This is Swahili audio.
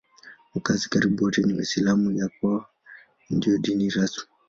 Wakazi karibu wote ni Waislamu; ya kwao ndiyo dini rasmi.